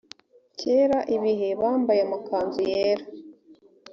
cyera ibh bambaye amakanzu yera